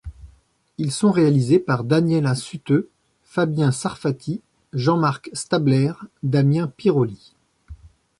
Ils sont réalisés par Daniela Suteu, Fabien Sarfati, Jean-Marc Stabler, Damien Pirolli.